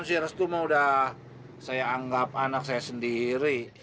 ya ya ya jers itu mah udah saya anggap anak saya sendiri